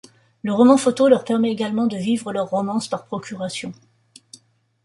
Le roman-photo leur permet également de vivre leurs romances par procuration.